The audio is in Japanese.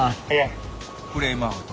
フレームアウト。